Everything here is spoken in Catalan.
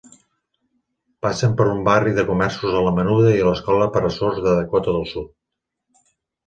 Passen per un barri de comerços a la menuda i l'escola per a sords de Dakota del Sud.